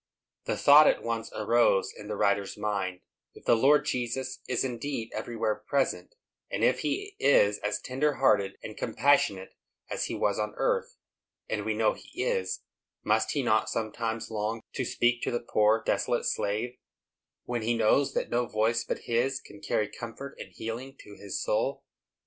The thought at once arose in the writer's mind, If the Lord Jesus is indeed everywhere present, and if he is as tender hearted and compassionate as he was on earth,—and we know he is,—must he not sometimes long to speak to the poor, desolate slave, when he knows that no voice but His can carry comfort and healing to his soul?